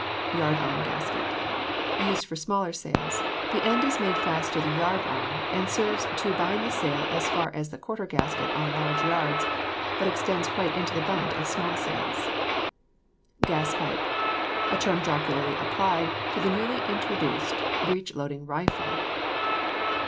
Yard arm gasket. Used for smaller sails; the end is made fast to the yard arm, and serves to bind the sail as far as the quarter gasket on large yards, but extends quite into the bunt of small sails. GAS PIPE. A term jocularly applied to the newly introduced breech loading rifle.